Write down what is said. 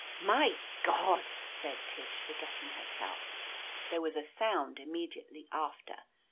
"My God 1" said Tish, forgetting herself. There was a sound immediately after.